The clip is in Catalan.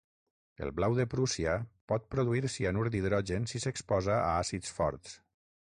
El blau de Prússia pot produir cianur d'hidrogen si s'exposa a àcids forts.